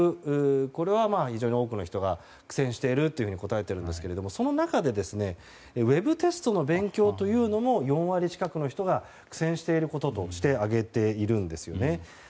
これは非常に多くの人が苦戦していると答えているんですがその中でウェブテストの勉強というのも４割近くの人が苦戦していることとして挙げているんですね。